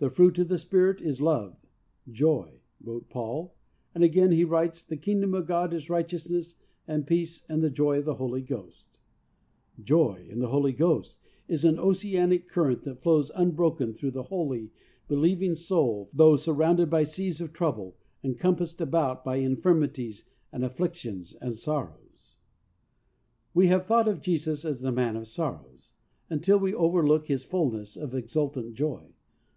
"The fruit of the Spirit is love, joy," wrote Paul, and again he writes, "The Kingdom of God is right eousness and peace and joy in the Holy Ghost," "Joy in the Holy Ghost" is an oceanic current that flows unbroken through the holy, believing soul, though surrounded by seas of trouble and compassed about by infirmities and afflictions and sorrows. 8 THE soul winner's SECRET. We have thought of Jesus as "the Man of Sorrows" until we overlook His fulness of exultant joy.